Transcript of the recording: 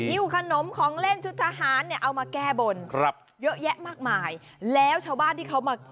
ิ้วขนมของเล่นชุดทหารเนี่ยเอามาแก้บนครับเยอะแยะมากมายแล้วชาวบ้านที่เขามา